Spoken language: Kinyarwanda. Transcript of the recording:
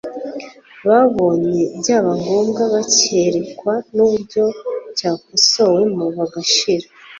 babonye, byaba ngombwa bakerekwa n'uburyo cyakosowemo bagashira